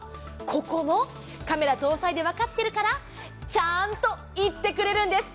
ここもカメラ搭載で分かってるからちゃんと行ってくれるんですよ。